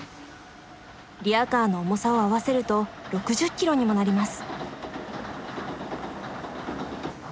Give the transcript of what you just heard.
リヤカーの重さを合わせると６０ｋｇにもなります。